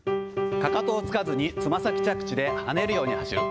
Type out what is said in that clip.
かかとをつかずにつま先着地で跳ねるように走る。